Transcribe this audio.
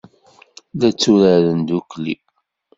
La tturaren ddukkli.